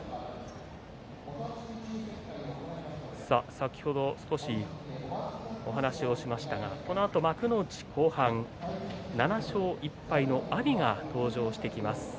先ほど少しお話をしましたがこのあと幕内後半、７勝１敗の阿炎が登場してきます。